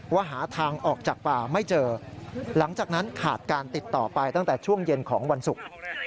หาทางออกจากป่าไม่เจอหลังจากนั้นขาดการติดต่อไปตั้งแต่ช่วงเย็นของวันศุกร์